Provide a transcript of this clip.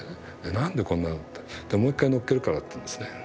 何でこんなって「もう一回のっけるから」と言うんですね。